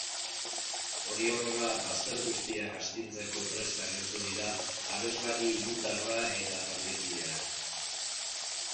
Hori horrela, bazter guztiak astintzeko prest agertu dira abeslari irundarra eta taldekideak.